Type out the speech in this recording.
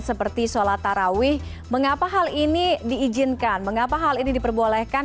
seperti sholat tarawih mengapa hal ini diizinkan mengapa hal ini diperbolehkan